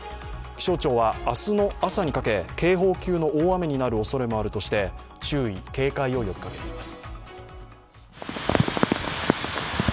気象庁は明日の朝にかけ警報級の大雨になるおそれもあるとして注意・警戒を呼びかけています。